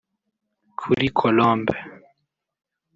Kuri Colombe